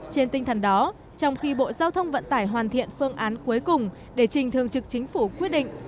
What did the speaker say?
trên tinh thần đó trong khi bộ giao thông vận tải hoàn thiện phương án cuối cùng để trình thường trực chính phủ quyết định